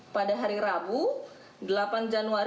pada hari rabu delapan januari dua ribu dua puluh